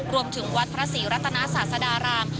รวมถึงวัดพระศรีรัตนาศาสดาราม